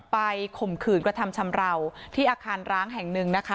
ข่มขืนกระทำชำราวที่อาคารร้างแห่งหนึ่งนะคะ